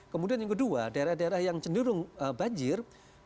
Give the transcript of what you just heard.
kemudian yang kedua daerah daerah yang cenderung banjir